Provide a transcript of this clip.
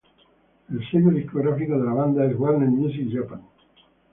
El sello discográfico de la banda es Warner Music Japan.